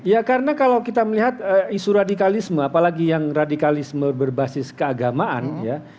ya karena kalau kita melihat isu radikalisme apalagi yang radikalisme berbasis keagamaan ya